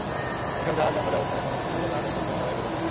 এসব জাহাজ বন্দরে অবস্থানের সময় বেশি হলে জাহাজের পরিচালনাব্যয় বেড়ে যায়।